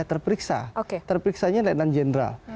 terperiksa terperiksanya lentenan jenderal